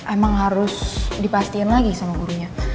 emang harus dipastiin lagi sama gurunya